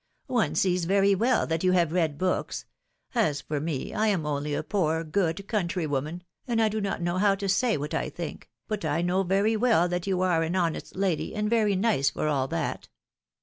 ^^One sees very well that you have read books ; as for me, I am only a poor, good, countrywoman, and I do not know how to say what I think, but I know very well that you are an honest lady, and very nice for all that!